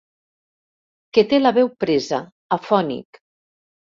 Que té la veu presa, afònic.